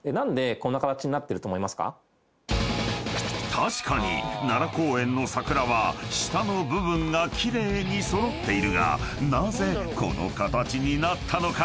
［確かに奈良公園の桜は下の部分が奇麗に揃っているがなぜこの形になったのか？］